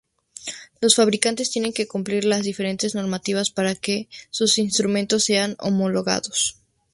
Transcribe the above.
Los fabricantes tienen que cumplir las diferentes normativas para que sus instrumentos sean homologados.